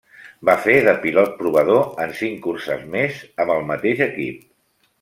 Va fer de pilot provador en cinc curses més amb el mateix equip.